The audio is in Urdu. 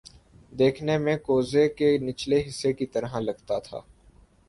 دیکھنے میں کوزے کے نچلے حصے کی طرح لگتا تھا